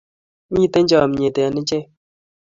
Mitei chomnyet eng ichei